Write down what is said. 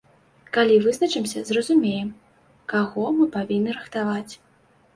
Калі вызначымся, зразумеем, каго мы павінны рыхтаваць.